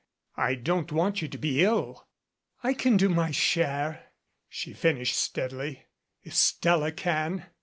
"I don't want you to be ill." "I can do my share," she finished steadily, "if Stella can."